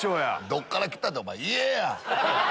どっから来た？って家や！